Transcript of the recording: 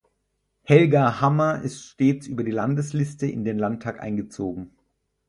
Helga Hammer ist stets über die Landesliste in den Landtag eingezogen.